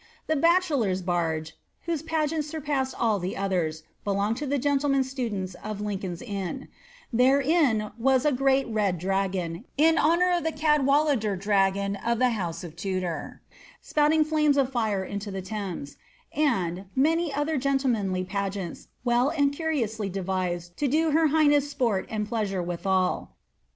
The bachelors' barge, whose pageant surpassed all I odicis, belonged to the gentleman students of Ijncoln's Inn ;" theraiB ^««■ a great red dragon," in honour of the Cadwallader dragon of ih^ I boose of Tudor, ^ spouting domes of fire into the Thames," and " many [ other gmtleinanly pogeanis, well and curiously devised to do her bign^ I BOM •pan and pleasure withal."